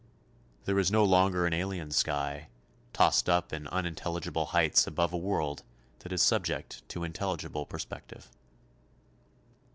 There is no longer an alien sky, tossed up in unintelligible heights above a world that is subject to intelligible perspective.